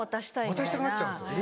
渡したくなっちゃうんですよね。